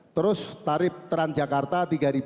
terus tarif transjakarta tiga lima ratus